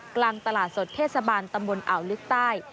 กลางตลาดสดเทศบาลตำบลอ่าวลึกใต้